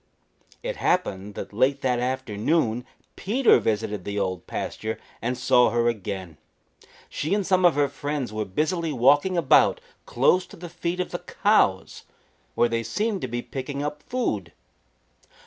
It happened that late that afternoon Peter visited the Old Pasture and saw her again. She and some of her friends were busily walking about close to the feet of the cows, where they seemed to be picking up food.